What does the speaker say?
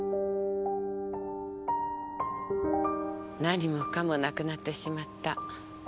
何もかもなくなってしまった。